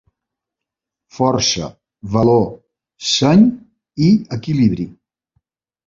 Força, Valor, Seny i Equilibri.